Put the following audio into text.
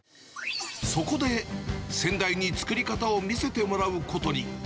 そこで先代に作り方を見せてもらうことに。